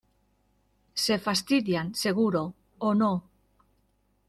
se fastidian. seguro . o no .